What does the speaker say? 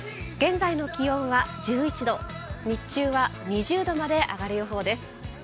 現在の気温は１１度日中は２０度まで上がる予報です。